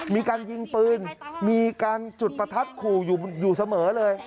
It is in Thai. มีการยิงปืนมีการจุดประทัดขู่อยู่เสมอเลย